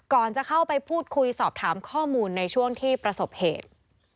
ก่อนจะเข้าไปพูดคุยสอบถามข้อมูลในช่วงที่ประสบเหตุ